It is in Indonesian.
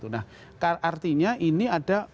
nah artinya ini ada